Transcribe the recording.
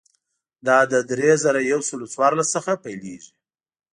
دا له درې زره یو سل څوارلس څخه پیلېږي.